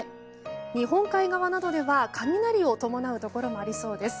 日本海側などでは雷を伴うところもありそうです。